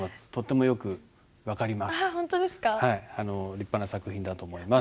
立派な作品だと思います。